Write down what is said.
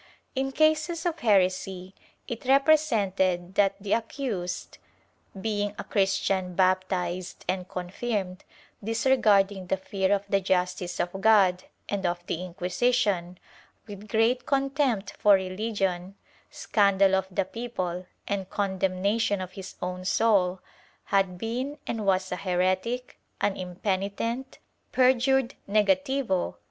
In cases of heresy it represented that the accused, being a Christian baptized and confirmed, disregarding the fear of the justice of God and of the Inquisition, with great contempt for religion, scandal of the people and condemnation of his own soul, had been and was a heretic, an impenitent, perjured negativo and ' This case, from the MSS.